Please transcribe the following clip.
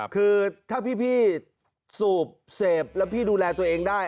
คือถ้าพี่สูบเสพแล้วพี่ดูแลตัวเองได้